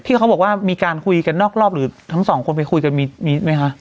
เขาบอกว่ามีการคุยกันนอกรอบหรือทั้งสองคนไปคุยกันมีไหมคะ